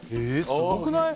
すごくない？